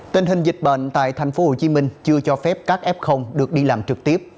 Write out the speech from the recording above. tình hình dịch bệnh tại tp hcm chưa cho phép các f được đi làm trực tiếp